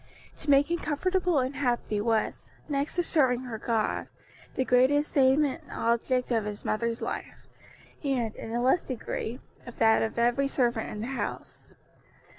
To make him comfortable and happy was, next to serving her God, the great aim and object of his mother's life; and, in a less degree, of that of every servant in the house.